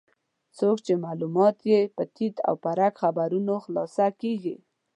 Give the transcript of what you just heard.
څوک چې معلومات یې په تیت و پرک خبرونو خلاصه کېږي.